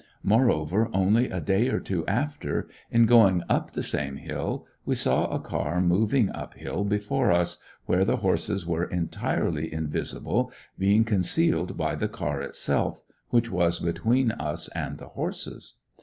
Moreover, only a day or two after, in going up the same hill, we saw a car moving uphill, before us, where the horses were entirely invisible, being concealed by the car itself, which was between us and the horses.